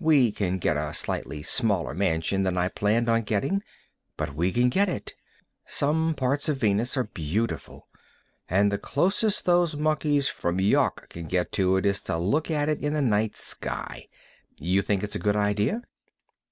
We can get a slightly smaller mansion than I planned on getting. But we can get it. Some parts of Venus are beautiful. And the closest those monkeys from Yawk can get to it is to look at it in the night sky. You think it's a good idea?"